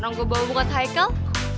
nang gue bawa lo ke taikel